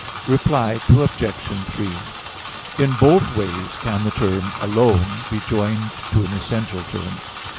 Reply Obj. 3: In both ways can the term "alone" be joined to an essential term.